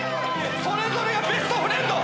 それぞれがベストフレンド！